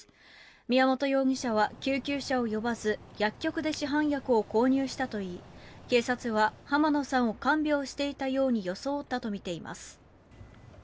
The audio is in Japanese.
宮本容疑者は救急車を呼ばず薬局で市販薬を購入したといい警察は浜野さんを看病していたように装ったとみています。